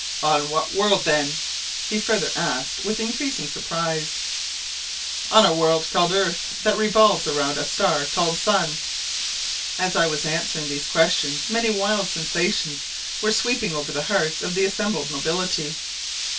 "On what world then?" he further asked with increasing surprise. "On a world called Earth that revolves around a star called Sun." As I was answering these questions many wild sensations were sweeping over the hearts of the assembled nobility.